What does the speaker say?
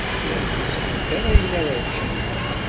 Llant ur sɛint ara ayen ara ččent.